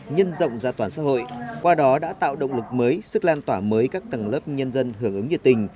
nhân rộng ra toàn xã hội qua đó đã tạo động lực mới sức lan tỏa mới các tầng lớp nhân dân hưởng ứng nhiệt tình